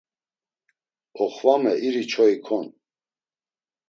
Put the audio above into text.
Oxvame iri çoyi kon.